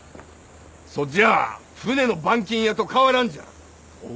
そっじゃ船の板金屋と変わらんじゃん。